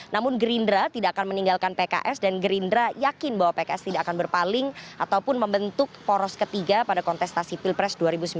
namun gerindra tidak akan meninggalkan pks dan gerindra yakin bahwa pks tidak akan berpaling ataupun membentuk poros ketiga pada kontestasi pilpres dua ribu sembilan belas